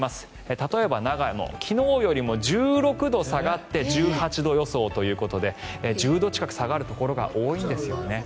例えば、長野昨日よりも１６度下がって１８度予想ということで１０度近く下がるところが多いんですよね。